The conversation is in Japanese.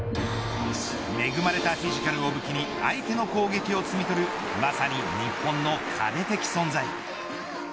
恵まれたフィジカルを武器に相手の攻撃をつみ取るまさに日本の神的存在。